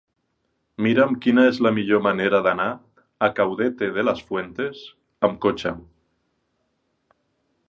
Mira'm quina és la millor manera d'anar a Caudete de las Fuentes amb cotxe.